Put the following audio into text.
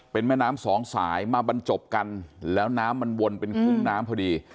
เป็นแม่น้ำสองสายมาบรรจบกันแล้วน้ำมันวนเป็นคุ้งน้ำพอดี